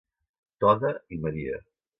Toda i Maria.